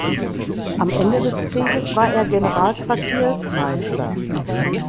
Am Ende des Krieges war er Generalquartiermeister.